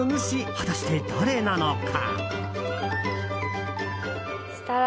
果たして誰なのか。